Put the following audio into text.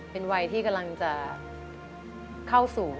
เป็นวัยที่กำลังจะเข้าสู่